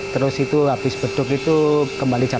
terus itu habis berdor itu kembali jam satu